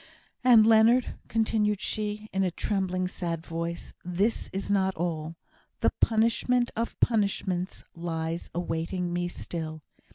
"And, Leonard," continued she, in a trembling, sad voice, "this is not all. The punishment of punishments lies awaiting me still.